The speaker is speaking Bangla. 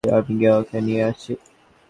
আমি গিয়ে ওকে নিয়ে আসছি।